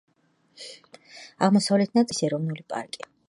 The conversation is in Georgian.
აღმოსავლეთ ნაწილში მდებარეობს შვეიცარიის ეროვნული პარკი.